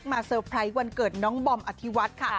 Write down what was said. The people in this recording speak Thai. สบายถึงวันเกิดน้องบอมอธิวต